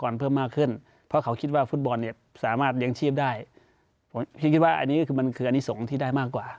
รุ่นพี่เค้าทำอยู่ตอนนี้